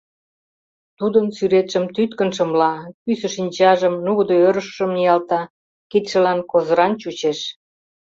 Тудын сӱретшым тӱткын шымла, пӱсӧ шинчажым, нугыдо ӧрышыжым ниялта — кидшылан козыран чучеш...